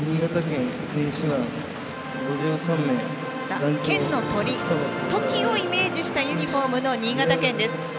県の鳥トキをイメージしたユニフォームの新潟県です。